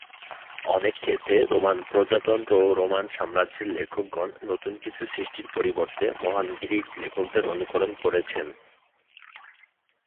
অনেক ক্ষেত্রে রোমান প্রজাতন্ত্র ও রোমান সাম্রাজ্যের লেখকগণ নতুন কিছু সৃষ্টির পরিবর্তে মহান গ্রিক লেখকদের অনুকরণ করেছেন।